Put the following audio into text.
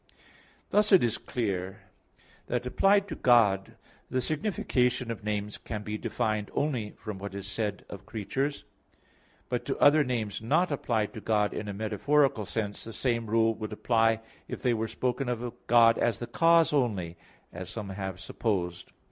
Thus it is clear that applied to God the signification of names can be defined only from what is said of creatures. But to other names not applied to God in a metaphorical sense, the same rule would apply if they were spoken of God as the cause only, as some have supposed.